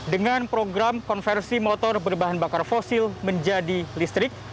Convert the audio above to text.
dengan program konversi motor berbahan bakar fosil menjadi listrik